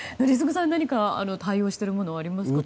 宜嗣さん何か多用しているものありますか？